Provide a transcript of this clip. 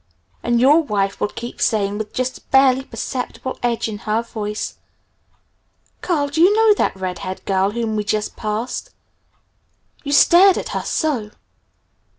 And your wife will keep saying, with just a barely perceptible edge in her voice, 'Carl, do you know that red haired girl whom we just passed? You stared at her so!'